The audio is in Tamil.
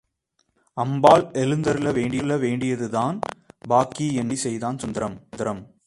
அம்பாள் எழுந்தருள வேண்டியது தான் பாக்கி என்று கேலி செய்தான் சுந்தரம்.